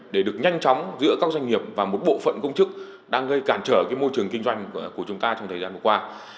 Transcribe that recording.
để được nhanh chóng giữa các doanh nghiệp và một bộ phận công chức đang gây cản trở môi trường kinh doanh của chúng ta trong thời gian vừa qua